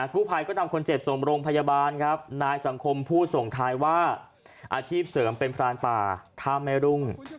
กู้ภัยก็นำคนเจ็บส่งโรงพยาบาลครับนายสังคมพูดส่งท้ายว่าอาชีพเสริมเป็นพรานป่าท่าแม่รุ่ง